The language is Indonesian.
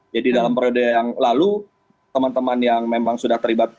jadi dalam periode yang lalu teman teman yang memang sudah terlibat